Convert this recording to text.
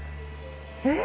えっ！